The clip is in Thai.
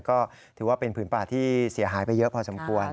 ก็ถือว่าเป็นผืนป่าที่เสียหายไปเยอะพอสมควร